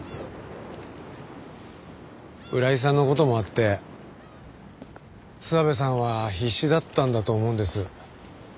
浦井さんの事もあって諏訪部さんは必死だったんだと思うんです。